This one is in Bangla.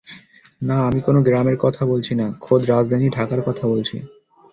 না, আমি কোনো গ্রামের কথা বলছি না, খোদ রাজধানী ঢাকার কথা বলছি।